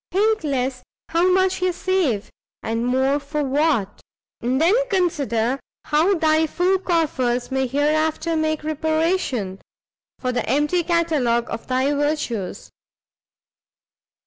think less how much ye save, and more for what; and then consider how thy full coffers may hereafter make reparation, for the empty catalogue of thy virtues."